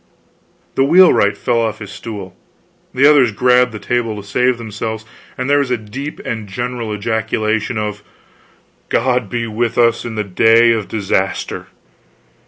The wheelwright fell off his stool, the others grabbed the table to save themselves, and there was a deep and general ejaculation of: "God be with us in the day of disaster!"